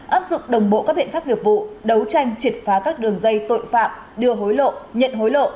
áp dụng đồng bộ các biện pháp nghiệp vụ đấu tranh triệt phá các đường dây tội phạm đưa hối lộ nhận hối lộ